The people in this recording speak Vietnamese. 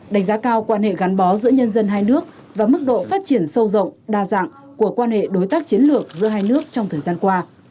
đánh giá cao quan hệ gắn bó giữa nhân dân hai nước và mức độ phát triển sâu rộng đa dạng của quan hệ đối tác chiến lược giữa hai nước trong thời gian qua